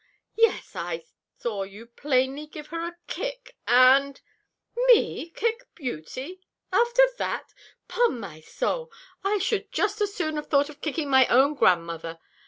"Yes! I saw you plainly give her a kick, and " "Me kick Beauty! after that! 'Pon my soul, I should just as soon have thought of kicking my own grandmother.